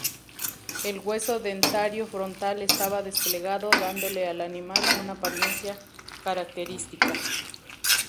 El hueso dentario frontal estaba desplegado, dándole al animal una apariencia característica.